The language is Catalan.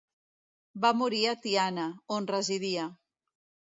Va morir a Tiana, on residia.